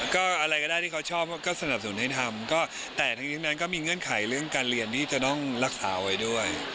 ก็อะไรก็ได้ที่เขาชอบก็สนับสนุนให้ทำก็แต่ทั้งนี้ทั้งนั้นก็มีเงื่อนไขเรื่องการเรียนที่จะต้องรักษาไว้ด้วย